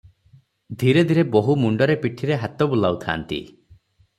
ଧୀରେ ଧୀରେ ବୋହୂ ମୁଣ୍ଡରେ ପିଠିରେ ହାତ ବୁଲାଉଥାନ୍ତି ।